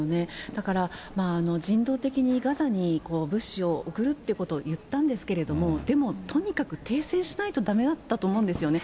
だから、人道的にガザに物資を送るってことを言ったんですけれども、でもとにかく停戦しないとだめだと思うんですよね。